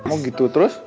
oh gitu terus